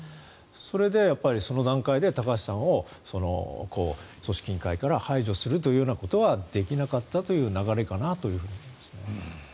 それでその段階で高橋さんを組織委員会から排除するということはできなかったという流れかなと思いますね。